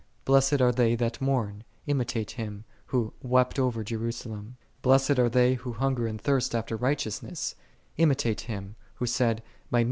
"'" I'.lessed an they that mourn;" imitate Him, Who " wept over " Jerusalem, cil are they, who hunger ami thirst alter .usuess:" imitate Him, Who said, 11 My me.